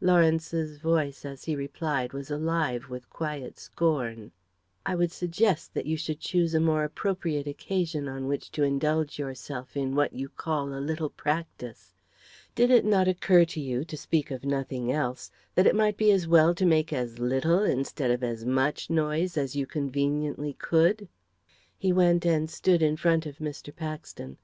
Lawrence's voice as he replied was alive with quiet scorn. "I would suggest that you should choose a more appropriate occasion on which to indulge yourself in what you call a little practice. Did it not occur to you, to speak of nothing else, that it might be as well to make as little, instead of as much, noise as you conveniently could?" He went and stood in front of Mr. Paxton.